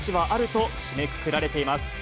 と締めくくられています。